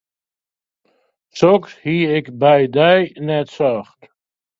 Soks hie ik by dy net socht.